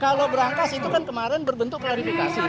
kalau berangkas itu kan kemarin berbentuk klarifikasi